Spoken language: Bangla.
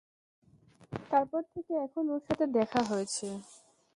তার পর থেকে এখন ওর সাথে দেখা হয়েছে।